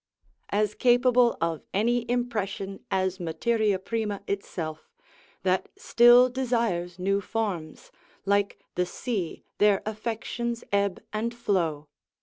As capable of any impression as materia prima itself, that still desires new forms, like the sea their affections ebb and flow.